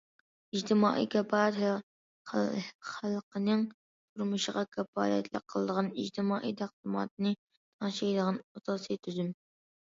ئىجتىمائىي كاپالەت خەلقنىڭ تۇرمۇشىغا كاپالەتلىك قىلىدىغان، ئىجتىمائىي تەقسىماتنى تەڭشەيدىغان ئاساسىي تۈزۈم.